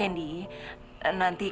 nanti kamu akan menjaga saya